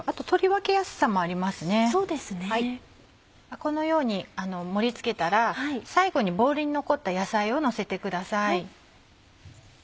このように盛り付けたら最後にボウルに残った野菜をのせてください。